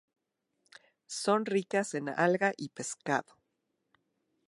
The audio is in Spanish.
Son ricas en algas y pescado.